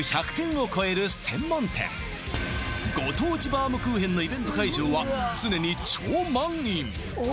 ご当地バウムクーヘンのイベント会場は常に超満員！